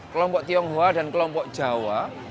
kelompok tionghoa dan kelompok jawa